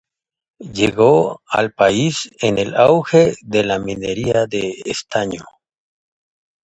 Llegó al país en el auge de la minería de estaño.